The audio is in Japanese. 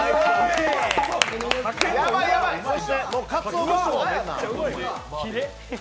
そして、かつお節。